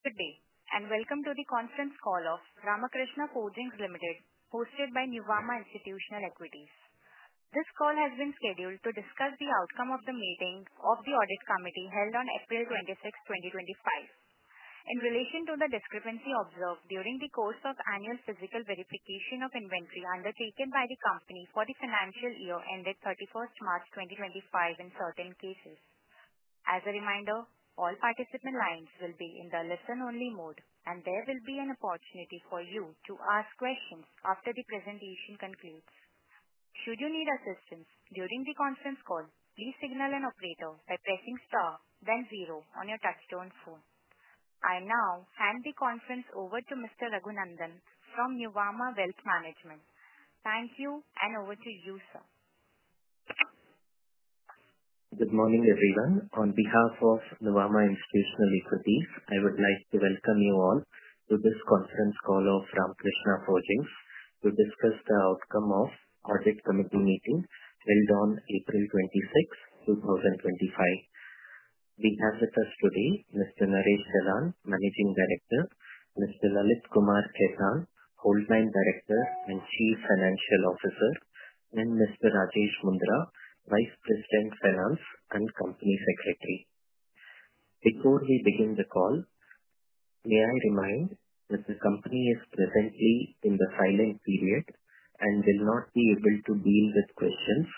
Good day, and welcome to the conference call of Ramakrishna Holdings Limited hosted by Nuvama Institutional Equities. This call has been scheduled to discuss the outcome of the meeting of the audit committee held on 04/26/2025 in relation to the discrepancy observed during the course of annual physical verification of inventory undertaken by the company for the financial year ended thirty first March twenty twenty five in certain cases. As a reminder, all participant lines will be in the listen only mode, and there will be an opportunity for you to ask questions after the presentation concludes. On your touch tone phone. I now hand the conference over to mister Raghunandan from Nuvama Wealth Management. Thank you, and over to you, sir. Good morning, everyone. On behalf of the Nawama Institutional Equity, I would like to welcome you all to this conference call of Ramakrishna Projeans to discuss the outcome of audit committee meeting held on 04/26/2025. We have with us today, mister Naresh Jalan, managing director, mister Lalit Kumar Khetan, hold line director and chief financial officer, and mister Rajesh Mundra, vice president finance and company secretary. Before we begin the call, may I remind that the company is presently in the silent period and will not be able to deal with questions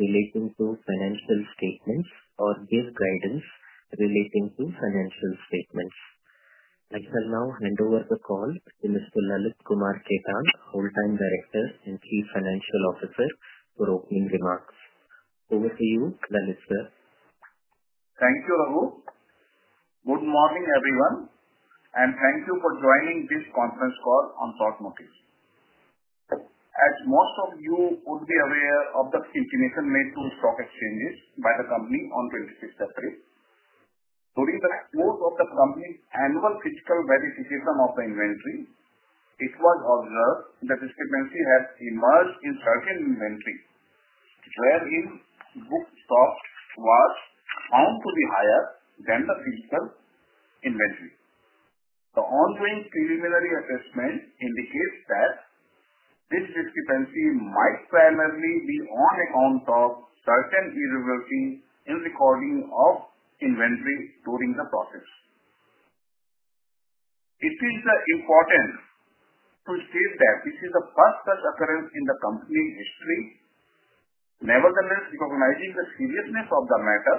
relating to financial statements or give guidance relating to financial statements. I can now hand over the call to mister, hold time director and chief financial officer for opening remarks. Over to you, Lalit sir. Thank you, Rahul. Good morning, everyone, and thank you for joining this conference call on ThoughtMotiv. As most of you would be aware of the continuation made to stock exchanges by the company on April 26. During the fourth of the company's annual fiscal verification of the inventory, it was observed that this frequency has emerged in certain inventory, wherein book stock was bound to be higher than the physical inventory. The ongoing preliminary assessment indicates that this discrepancy might primarily be on account of certain in recording of inventory during the process. It is important to state that this is the first such occurrence in the company history. Nevertheless, recognizing the seriousness of the matter,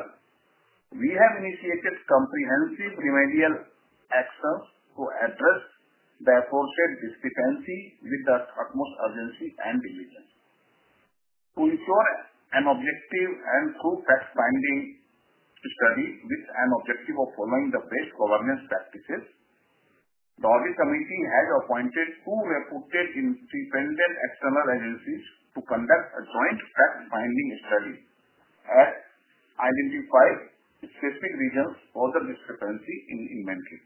we have initiated comprehensive remedial actions to address the appropriate discrepancy with the utmost urgency and diligence. To ensure an objective and true fact finding study with an objective of following the best governance practices, the Audit Committee has appointed two reputed independent external agencies to conduct a joint fact finding study and identify specific reasons for the discrepancy in inventory.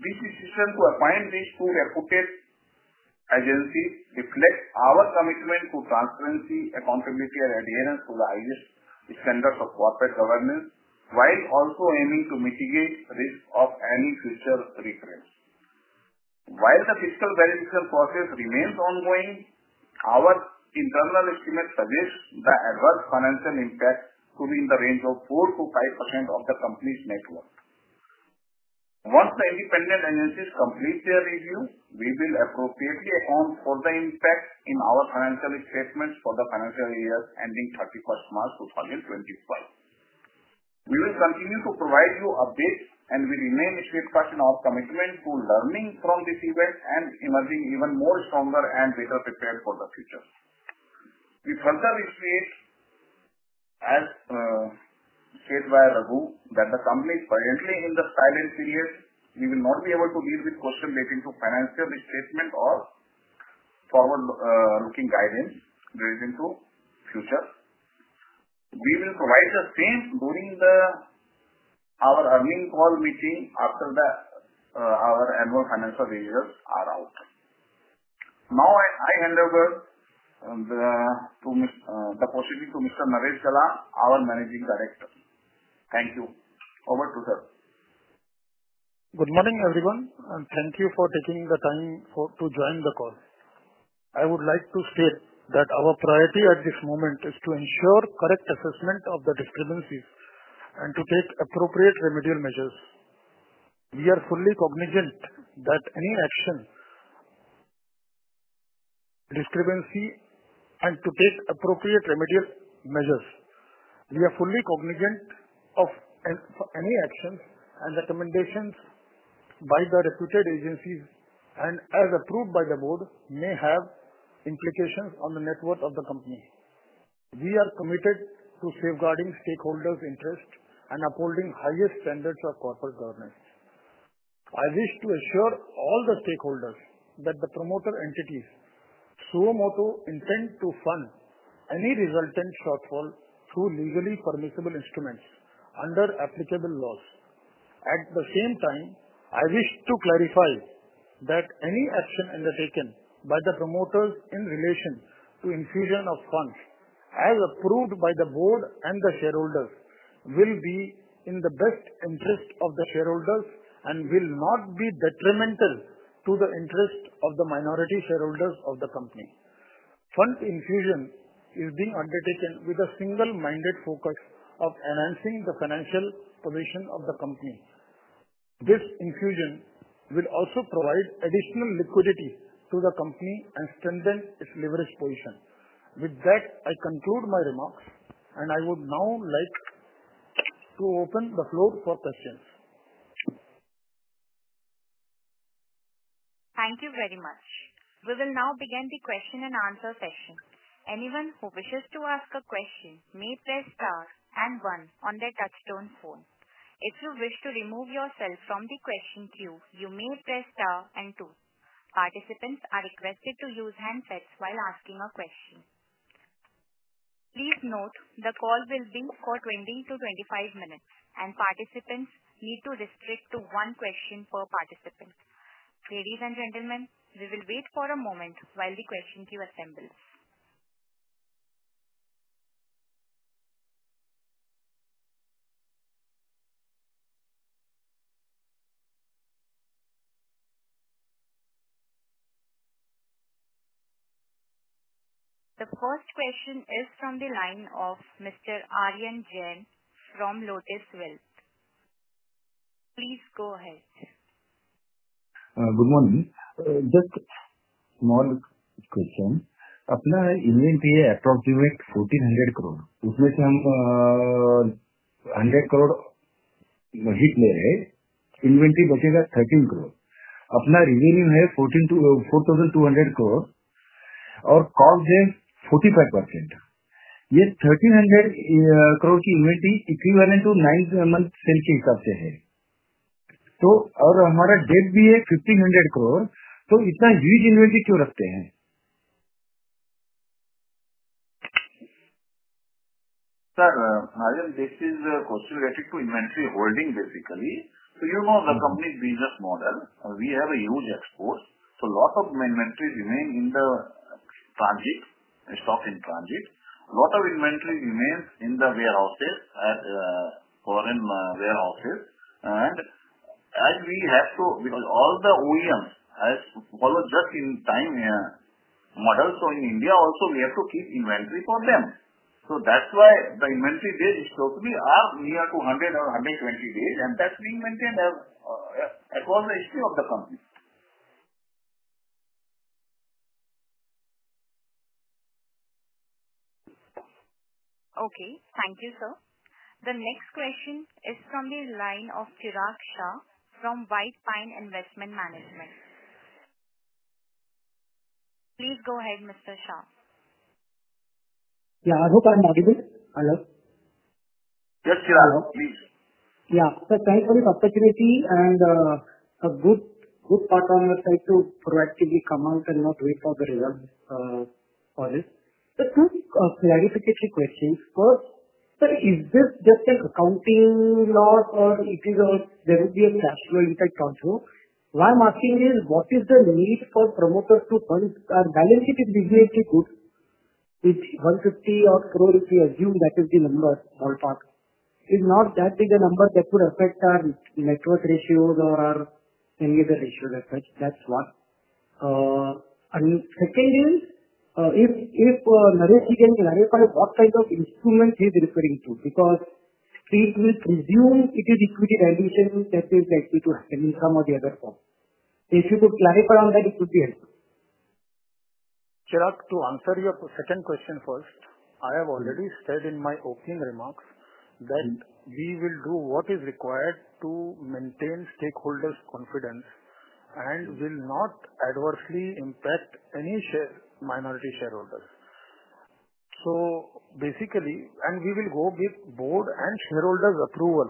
This decision to appoint these two appointed agency reflects our commitment to transparency, accountability, adherence to the highest standards of corporate governance while also aiming to mitigate risk of any future recurrence. While the fiscal beneficial process remains ongoing, our internal estimates suggest the adverse financial impact to be in the range of 4% to 5% of the Company's network. Once the independent agencies complete their review, we will appropriately account for the impact in our financial statements for the financial year ending thirty first March twenty twenty five. We will continue to provide you updates, and we remain steadfast in our commitment to learning from this event and emerging even more stronger and better prepared for the future. We further appreciate, as said by Raghu that the company is currently in the silent period. We will not be able to deal with question relating to financial restatement or forward looking guidance relating to future. We will provide the same during the, our earning call meeting after the, our annual financial measures are out. Now, I, I hand over the to miss the possibility to mister our managing director. Thank you. Over to sir. Good morning, everyone, and thank you for taking the time for to join the call. I would like to state that our priority at this moment is to ensure correct assessment of the discrepancies and to take appropriate remedial measures. We are fully cognizant that any action, discrepancy and to take appropriate remedial measures. We are fully cognizant of any actions and recommendations by the reputed agencies and as approved by the board may have implications on the network of the company. We are committed to safeguarding stakeholders' interest and upholding highest standards of corporate governance. I wish to assure all the stakeholders that the promoter entities, Tsurumoto, intend to fund any resultant shortfall through legally permissible instruments under applicable laws. At the same time, I wish to clarify that any action undertaken by the promoters in relation to infusion of funds as approved by the board and the shareholders will be in the best interest of the shareholders and will not be detrimental to the interest of the minority shareholders of the company. Fund infusion is being undertaken with a single-minded focus of enhancing the financial position of the company. This infusion will also provide additional liquidity to the company and strengthen its leverage position. With that, I conclude my remarks, and I would now like to open the floor for questions. Thank you very much. We will now begin the question and answer session. Anyone who wishes to ask a question may press and one on their touch tone phone. If you wish to remove yourself from the question queue, you may press and 2. Participants are requested to use handsets while asking a question. Please note, the call will be for twenty to twenty five minutes, and participants need to restrict to one question per participant. Ladies and gentlemen, we will wait for a moment while the question queue assembles. The first question is from the line of Mr. From Lotus Wealth. Please go ahead. Good morning. Just small question. Apply inventory approximate 1,400 crore. Hundred crore. Inventory 13 crore. 14 2 4,200 crore or 45%. Yes. 1,300 equivalent to nine months. Our amount of debt be a 1,500 crore. So it's not. Sir, madam, this is a question related to inventory holding, basically. So you know the company's business model. We have a huge export. So lot of inventory remain in the transit, stock in transit. Lot of inventory remains in the warehouses, foreign warehouses. And as we have to because all the OEMs has followed just in time Models are in India also we have to keep inventory for them. So that's why the inventory days is supposed to be up near two hundred or hundred twenty days, and that's being maintained as as well as company. Okay. Thank you, sir. The next question is from the line of from White Pine Investment Management. Please go ahead, mister Shah. Yeah. I hope I'm audible. Hello? Yes, sir. Hello, please. Yeah. So thanks for this opportunity, and a good good partner will try to proactively come out and not wait for the results for this. Just a clarification question. First, sir, is this just, accounting loss or it is a there will be a cash flow impact also? Why I'm asking you, what is the need for promoters to fund our balance sheet is basically good. It's one fifty or so if we assume that is the number ballpark. It's not that big a number that could affect our network ratios or any other ratio. That's that's one. And second is, if if, Narek, he can clarify what type of instrument he's referring to. Because it will resume it is liquidity addition to that is likely to happen in some of the other form. If you could clarify on that, it would be helpful. Chirag, to answer your second question first, I have already said in my opening remarks that we will do what is required to maintain stakeholders' confidence and will not adversely impact any share minority shareholders. So basically and we will go with board and shareholders' approval.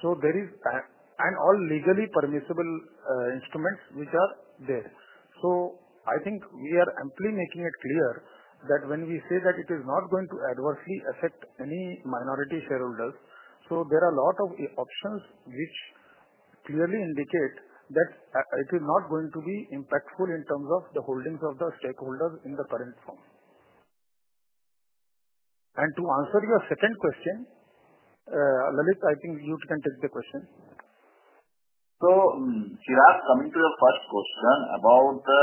So there is an all legally permissible instruments which are there. So I think we are amply making it clear that when we say that it is not going to adversely affect any minority shareholders, so there are a lot of options which clearly indicate that it is not going to be impactful in terms of the holdings of the stakeholders in the current form. And to answer your second question, Lalit, I think you can take the question. So, Shiraz, coming to your first question about the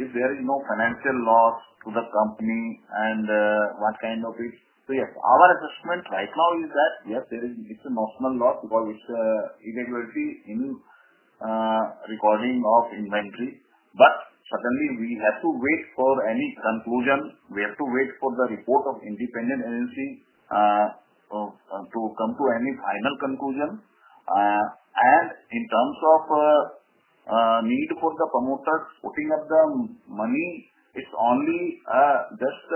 if there is no financial loss to the company and what kind of it. So, yes, our assessment right now is that, yes, there is it's an optional loss because it's it will be in recording of inventory. But, certainly, we have to wait for any conclusion. We have to wait for the report of independent agency to come to any final conclusion. And in terms of need for the promoter, putting up the money, it's only just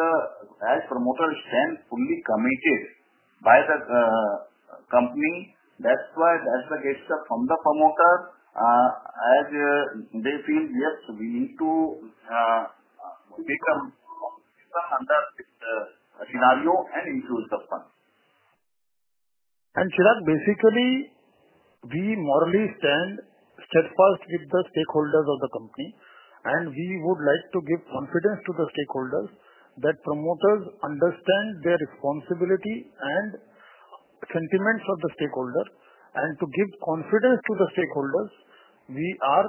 as promoter stand fully committed by the company. That's why the extra gets up from the promoter as they feel, yes, we need to become under this scenario and include the fund. And, Chirag, basically, we morally stand steadfast with the stakeholders of the company, and we would like to give confidence to the stakeholders that promoters understand their responsibility and sentiments of the stakeholder. And to give confidence to the stakeholders, we are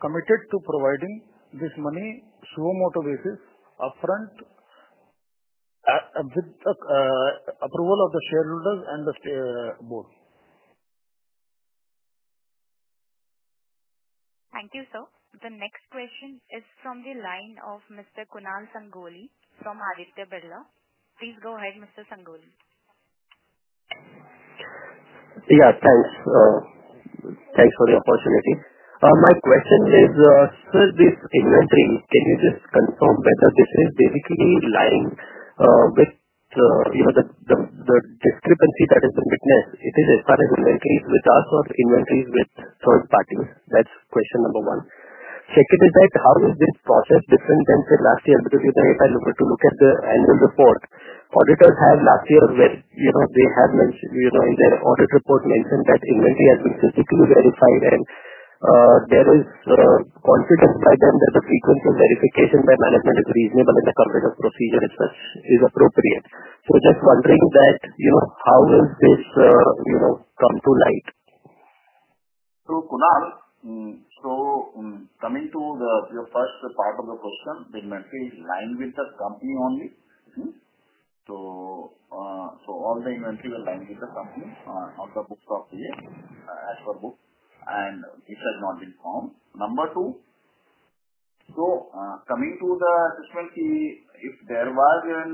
committed to providing this money, slow motor basis, upfront, approval of the shareholders and the board. Thank you, sir. The next question is from the line of Mr. Kunal Sangoli from. Please go ahead, Mr. Sangoli. Yeah. Thanks. Thanks for the opportunity. My question is, sir, this inventory, can you just confirm whether this is basically lying with the, you know, the the the discrepancy that is the witness? It is as far as inventory with us or inventories with third parties? That's question number one. Second, is that how is this process different than, say, last year? Because if I look at to look at the annual report, auditors have last year with, you know, they have mentioned, you know, in their audit report mentioned that inventory has been physically verified, and there is confidence by them that the frequency verification by management is reasonable and the competitive procedure is such is appropriate. So just wondering that, you know, how will this, you know, come to light? So, Kunal, so coming to the the first part of the question, the monthly is lined with the company only. Mhmm. So so all the inventory will line with the company on the books of the year as per book, and it has not been found. Number two, so coming to the 20, if there was an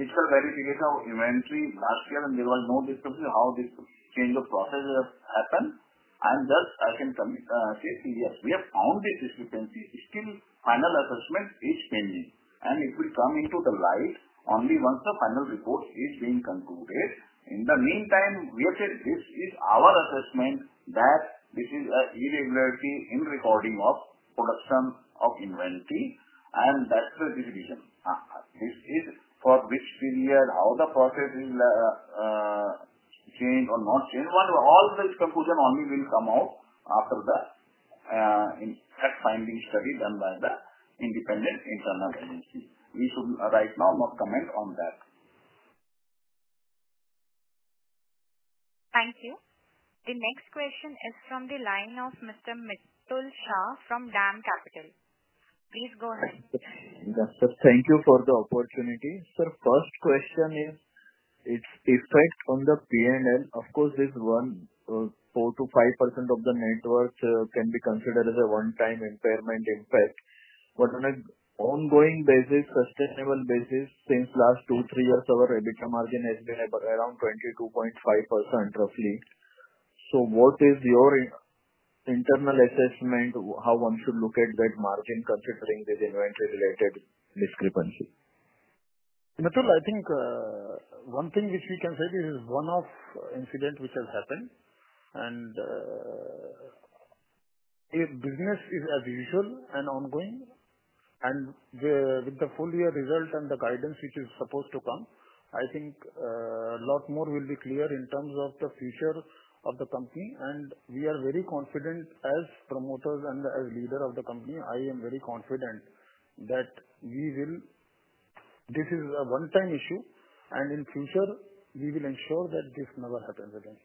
initial verification of inventory last year and there was no difficulty how this change of process has happened, And thus, I can come say, yes, we have found this discrepancy. Still, final assessment is pending. And it will come into the light only once the final report is being concluded. In the meantime, we have said this is our assessment that this is irregularity in recording of production of inventory and that's the decision. This is for which period, how the process is changed or not changed. What we're always conclusion only will come out after the in fact finding study done by the independent internal agency. We should, right now, not comment on that. Thank you. The next question is from the line of mister from DAM Capital. Please go ahead. Yes sir, thank you for the opportunity. Sir, first question is, it's effect on the PNL. Of course, this one four to 5% of the network can be considered as a one time impairment impact. But on an ongoing basis, sustainable basis, since last two, three years, our EBITDA margin has been about around 22.5% roughly. So what is your internal assessment? How one should look at that margin considering this inventory related discrepancy? I think one thing which we can say, this is one of incident which has happened. And if business is as usual and ongoing and the with the full year results and the guidance which is supposed to come, I think lot more will be clear in terms of the future of the company, and we are very confident as promoters and as leader of the company. I am very confident that we will this is a onetime issue, and in future, we will ensure that this never happens again.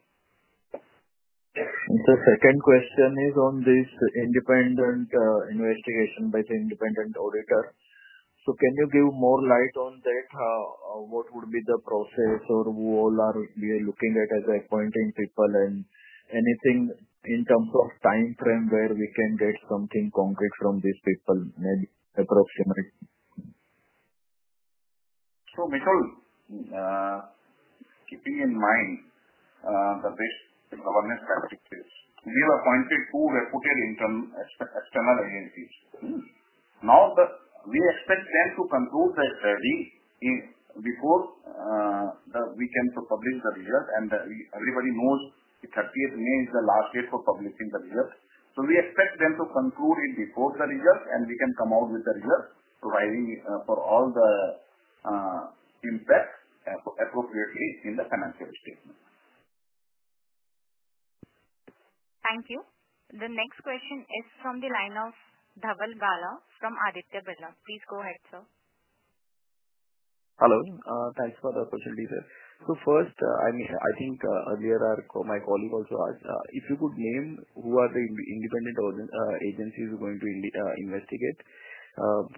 The second question is on this independent investigation by the independent auditor. So can you give more light on that? What would be the process or who all are we are looking at as appointing people and anything in terms of time frame where we can get something concrete from these people and approximate? So, Mitul, keeping in mind the best in our next practice is we have appointed two representative external agencies. Now the we expect them to conclude the study before the weekend to publish the result, and everybody knows the thirtieth May is the last date for publishing the result. So we expect them to conclude it before the result, and we can come out with the result providing for all the impact appropriately in the financial statement. Thank you. The next question is from the line of Dabal Bala from. Please go ahead, sir. Hello. Thanks for the opportunity, sir. So first, I mean, I think earlier our my colleague also asked, if you could name who are the independent agencies going to investigate,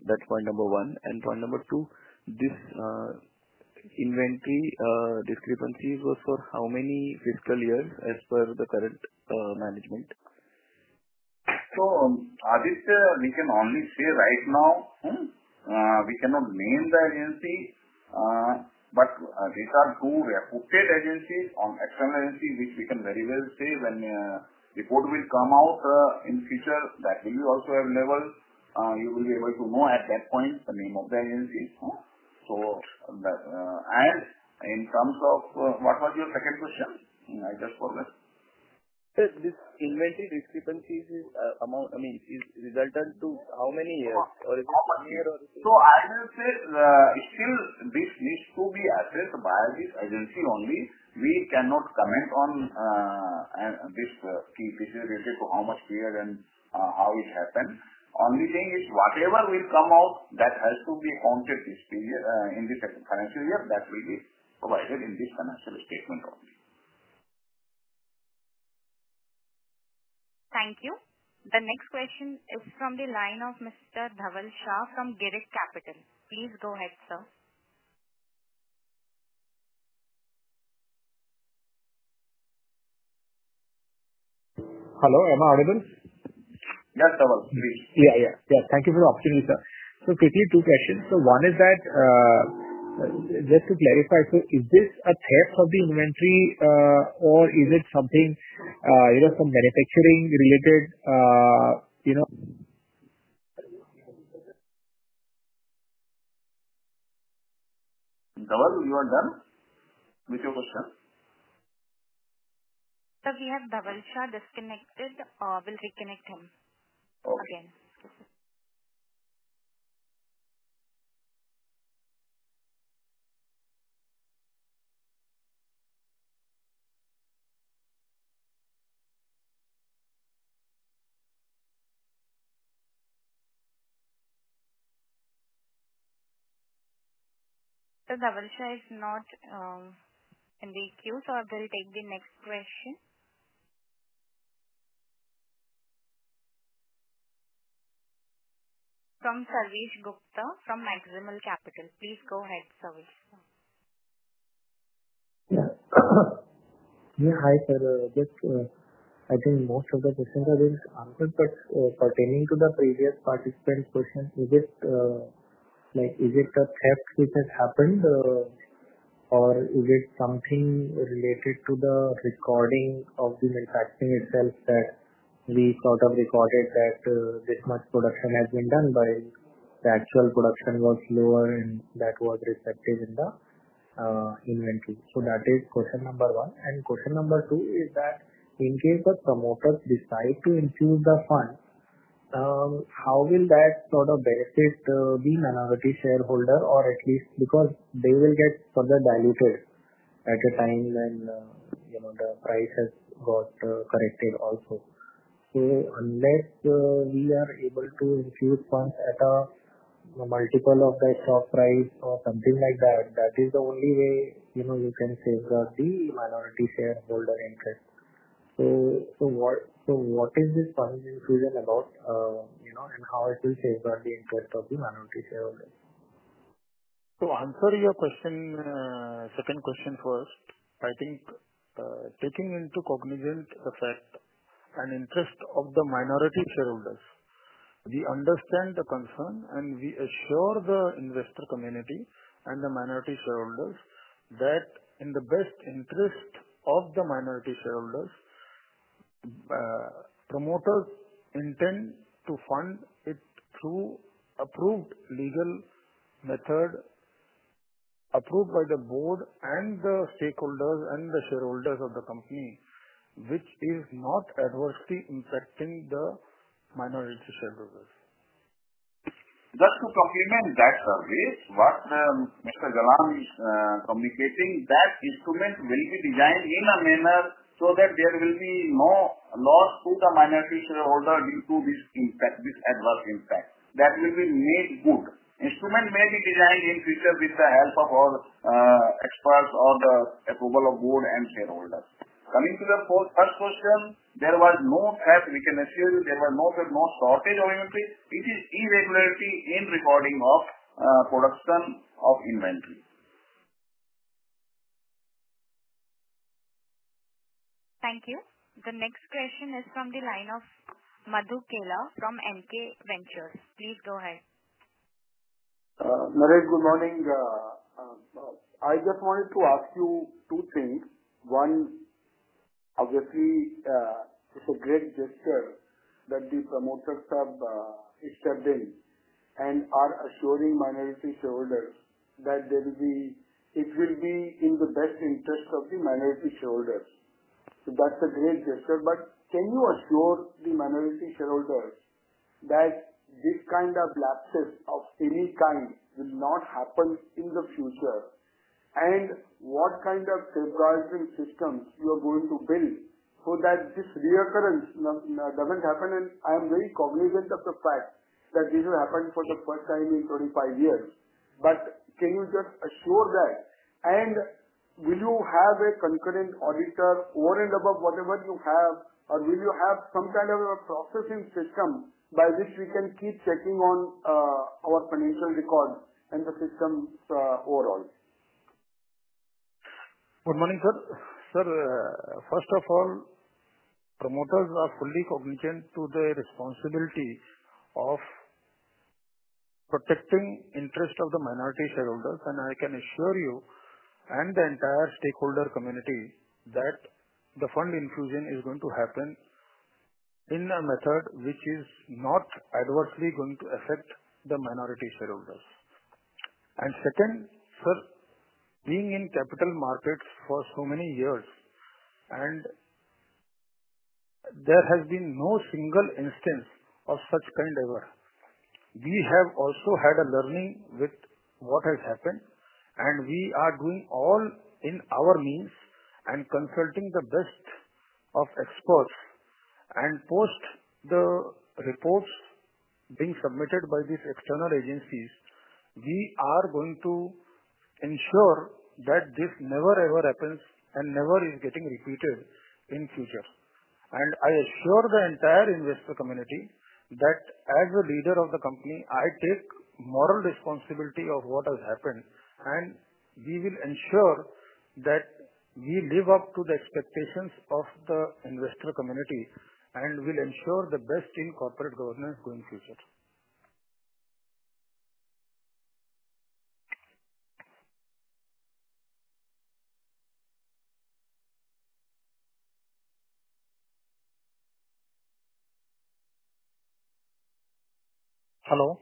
that's point number one. And point number two, this inventory discrepancies was for how many fiscal years as per the current management? So, Adi, sir, we can only say right now. We cannot name the agency, but these are two agencies on external agency, which we can very well say when report will come out in future that will be also available. You will be able to know at that point the name of the agency. So that and in terms of what was your second question? I just forgot. Sir, this inventory discrepancy is amount, I mean, is resultant to how many years? Or is it How much year or so? So I will say, still this needs to be addressed by this agency only. We cannot comment on this key. This is related to how much we are and how it happened. Only thing is whatever will come out that has to be counted this period in this financial year, that will be provided in this financial statement only. Thank you. The next question is from the line of Mr. From Garrett Capital. Please go ahead, sir. Hello, am I audible? Yes, sir. Yeah yeah yeah. Thank you for the opportunity, sir. So quickly, two questions. So one is that, just to clarify, sir, is this a test of the inventory or is it something, you know, some manufacturing related, you know? You are done with your question? Sir, we have disconnected. We'll reconnect him Okay. Again. So Davilcha is not in the queue, so I will take the next question. From Sarvesh Gupta from Maximal Capital. Please go ahead, Sarvesh. Yeah. Hi, sir. Just I think most of the questions are being answered, but pertaining to the previous participant's question, is it, like, is it a test which has happened, or is it something related to the recording of the manufacturing itself that we sort of recorded that this much production has been done by the actual production was lower and that was reflected in the inventory. So that is question number one. And question number two is that in case the promoters decide to include the fund, how will that sort of benefit the minority shareholder or at least because they will get further diluted at the time when, you know, the prices got corrected also. So unless we are able to use funds at a multiple of the stock price or something like that, that is the only way, you know, you can save the minority shareholder interest. So so what so what is this one's infusion about, you know, and how it will save the interest of the minority shareholder? To answer your question, second question first, I think taking into cognizant effect and interest of the minority shareholders, we understand the concern and we assure the investor community and the minority shareholders that in the best interest of the minority shareholders, promoter intend to fund it through approved legal method approved by the board and the stakeholders and the shareholders of the company, which is not adversely impacting the minority shareholders. Just to complement that service, what mister Galam is communicating, that instrument will be designed in a manner so that there will be no loss to the minor future holder due to this impact, this adverse impact. That will be made good. Instrument may be designed in future with the help of all experts or the approval of board and shareholders. Coming to the first question, there was no, as we can assume, there were no shortage of inventory. It is irregularity in recording of production of inventory. Thank you. The next question is from the line of Madhu Kaila from MK Ventures. Please go ahead. Madhu, good morning. I just wanted to ask you two things. One, obviously, it's a great gesture that the promoter sub is serving and are assuring minority shareholders that there will be it will be in the best interest of the minority shareholders. So that's a great gesture. But can you assure the minority shareholders that this kind of lapses of any kind will not happen in the future? And what kind of safeguarding systems you are going to pay so that this reoccurrence doesn't happen. And I'm very cognizant of the fact that this will happen for the first time in twenty five years. But can you just assure that? And will you have a concurrent auditor or in above whatever you have? Or will you have some kind of a processing system by which we can keep checking on our financial record and the system overall? Good morning, sir. Sir, first of all, promoters are fully cognizant to the responsibility of protecting interest of the minority shareholders. And I can assure you and the entire stakeholder community that the fund inclusion is going to happen in a method which is not adversely going to affect the minority shareholders. And second, sir, being in capital markets for so many years, and there has been no single instance of such kind of work. We have also had a learning with what has happened, and we are doing all in our means and consulting the best of experts and post the reports being submitted by these external agencies. We are going to ensure that this never ever happens and never is getting repeated in future. And I assure the entire investor community that as a leader of the company, I take moral responsibility of what has happened, and we will ensure that we live up to the expectations of the investor community and will ensure the best in corporate governance going future. Hello?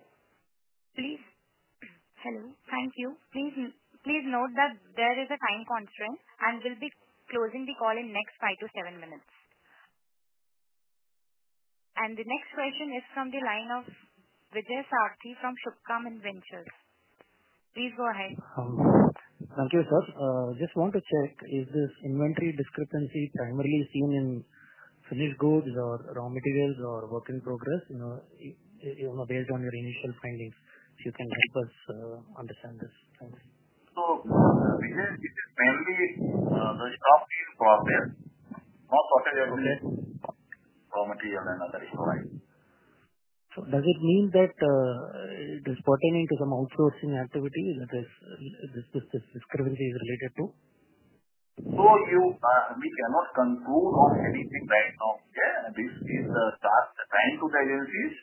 Please hello. Thank you. Please please note that there is a time constraint, and we'll be closing the call in next five to seven minutes. And the next question is from the line of from Ventures. Please go ahead. Thank you, sir. Just want to check if this inventory discrepancy primarily seen in finished goods or raw materials or work in progress, you know, based on your initial findings. If you can help us understand this. Thanks. So, because it is mainly the stock is processed. Most of the other day, raw material and other issue. Right? So does it mean that is pertaining to some outsourcing activity that is this this this this discrepancy is related to? So you we cannot conclude on anything right now. Yeah. This is task. The time to tell you this,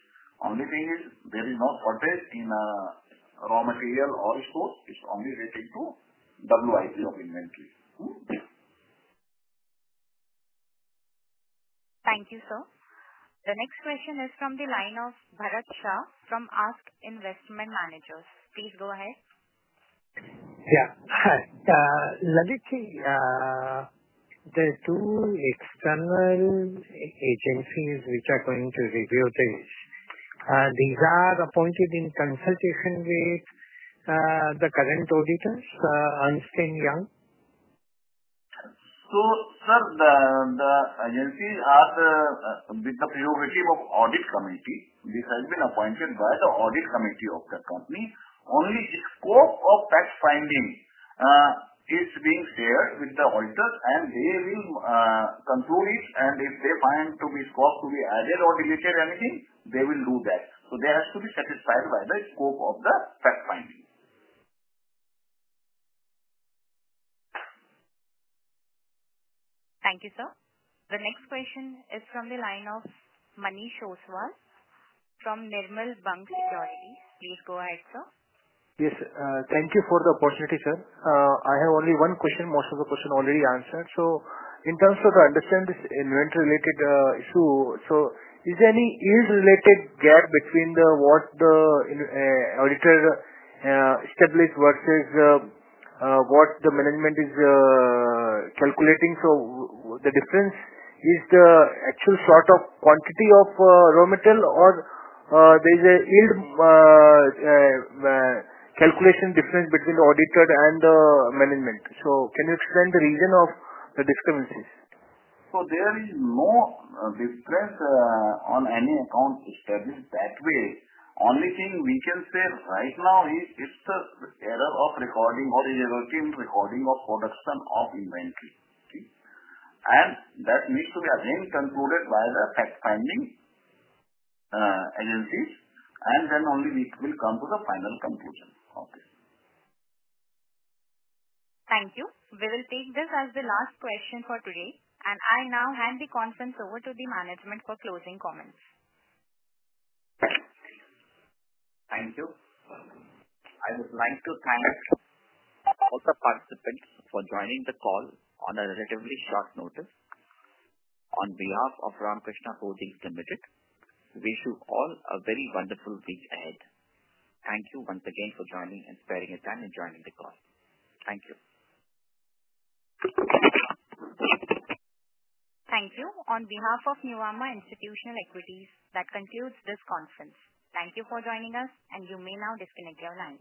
Only thing is there is no shortage in raw material or stores. It's only relating to WIP of inventory. Thank you, sir. The next question is from the line of Bharat Shah from Ask Investment Managers. Please go ahead. Yeah. Hi. Lalitik, the two external agencies which are going to review this, these are appointed in consultation with the current auditors, Ernst and Young. So, the the agencies are the the bureaucracy of audit committee. This has been appointed by the audit committee of the company. Only scope of that finding is being shared with the auditors, and they will conclude it. And if they find to be scope to be added or deleted anything, they will do that. So they are actually satisfied by the scope of the fact finding. Thank you, sir. The next question is from the line of Manish Shotswala from Nirmal Bank Securities. Please go ahead, sir. Yes. Thank you for the opportunity, sir. I have only one question. Most of the question already answered. So in terms of the understand this event related issue, so is there any is related gap between the what the auditor established versus what the management is calculating. So the difference is the actual sort of quantity of raw material or there's a calculation difference between auditor and the management. So can you explain the reason of the discrepancies? So there is no difference on any account established that way. Only thing we can say right now is it's the error of recording or in the working recording of production of inventory. And that needs to be again concluded by the fact finding agencies, and then only we will come to the final conclusion. Okay. Thank you. We will take this as the last question for today, and I now hand the conference over to the management for closing comments. Thank you. I would like to thank all the participants for joining the call on a relatively short notice. On behalf of Ramakrishna Holdings Limited, wish you all a very wonderful week ahead. Thank you once again for joining and sparing your time and joining the call. Thank you. Thank you. On behalf of Newama Institutional Equities, that concludes this conference. Thank you for joining us, and you may now disconnect your lines.